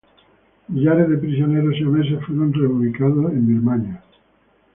Millares de prisioneros siameses fueron reubicados en Birmania.